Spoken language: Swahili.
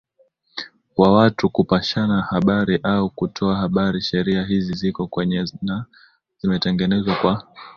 wa watu kupashana habari au kutoa habari sheria hizi ziko nyingi na zimetengenezwa kwa